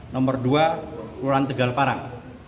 nomor dua kelurahan tegal parang